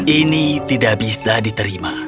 ini tidak bisa diterima